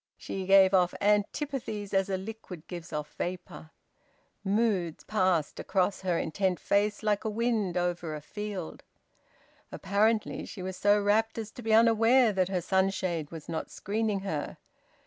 She gave off antipathies as a liquid gives off vapour. Moods passed across her intent face like a wind over a field. Apparently she was so rapt as to be unaware that her sunshade was not screening her.